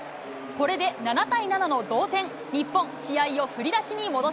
これで７対７の同点。